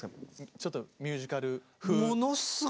ちょっとミュージカル風。